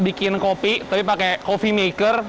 bikin kopi tapi pakai coffee maker